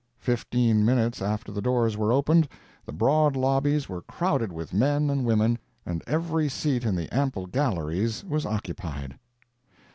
Fifteen minutes after the doors were opened, the broad lobbies were crowded with men and women, and every seat in the ample galleries was occupied.